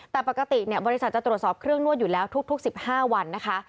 แต่ปกติบริษัทจะตรวจสอบเครื่องนวดอยู่แล้วทุก๑๕วันนะคะ